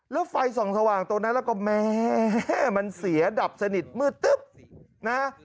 แล้วไฟส่องสว่างตรงนั้นแล้วก็แม่มันเสียดับสนิทมืดตึ๊บนะ